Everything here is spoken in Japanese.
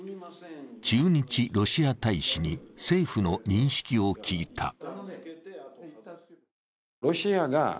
駐日ロシア大使に政府の認識を聞いた。